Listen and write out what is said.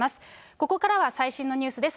ここからは最新のニュースです。